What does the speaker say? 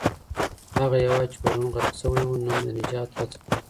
هغه هېواد چي پرون غرق سوی و، نن د نجات هڅه کوي.